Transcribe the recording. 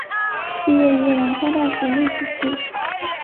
毕业于南开大学历史系。